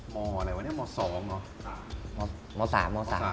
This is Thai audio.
มอะไรวะเนี่ยม๒หรอ